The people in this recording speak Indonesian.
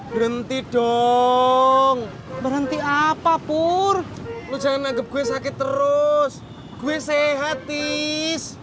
berhenti dong berhenti apa pur lu jangan anggap gue sakit terus gue sehat ish jangan marah atuh puh